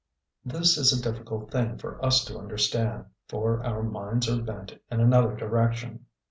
This is a difficult thing for us to understand, for our minds are bent in another direction.